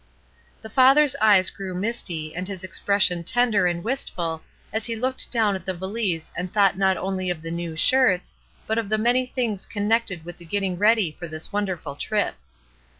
The father's eyes grew misty and his expres sion tender and wistful as he looked dow^n at the valise and thought not only of the new shirts but of many things connected with the getting ready for this wonderful trip.